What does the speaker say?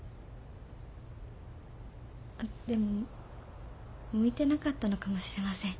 でも向いてなかったのかもしれません。